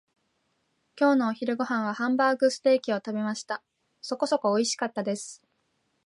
今日のお昼ご飯はハンバーグステーキを食べました。そこそこにおいしかったです。